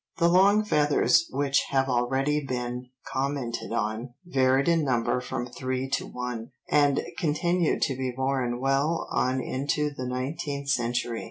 The long feathers, which have already been commented on, varied in number from three to one, and continued to be worn well on into the nineteenth century.